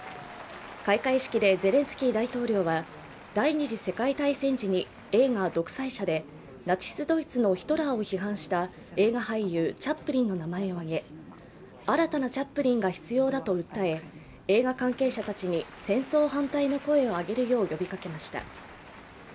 開会式でゼレンスキー大統領は第二次世界大戦時に映画「独裁者」でナチス・ドイツのヒトラーを批判した映画俳優・チャップリンの名前を挙げ新たなチャップリンが必要だと訴え、映画関係者たちに戦争反対の声を上げるよう呼びかけました。